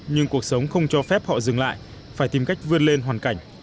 nhưng cuộc sống không cho phép họ dừng lại phải tìm cách vươn lên hoàn cảnh